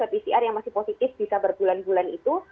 pcr yang masih positif bisa berbulan bulan itu